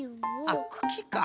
あっくきか。